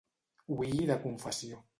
Oir de confessió.